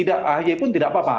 tidak ahy pun tidak apa apa